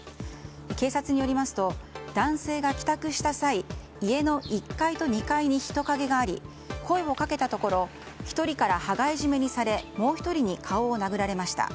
警察によりますと男性が帰宅した際家の１階と２階に人影があり声をかけたところ１人から羽交い絞めにされもう１人に顔を殴られました。